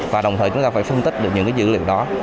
và đồng thời chúng ta phải phân tích được những dữ liệu đó